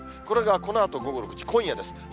これがこのあと午後６時、今夜です。